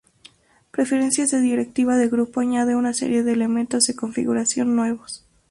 Preferencias de Directiva de Grupo añade una serie de elementos de configuración nuevos.